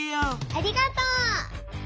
ありがとう！